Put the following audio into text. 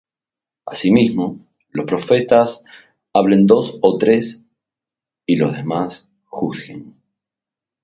Asimismo, los profetas hablen dos ó tres, y los demás juzguen.